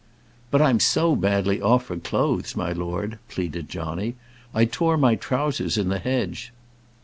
"But I'm so badly off for clothes, my lord," pleaded Johnny. "I tore my trowsers in the hedge."